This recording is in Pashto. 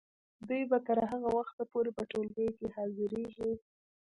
دوی به تر هغه وخته پورې په ټولګیو کې حاضریږي.